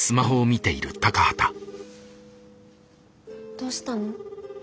どうしたの？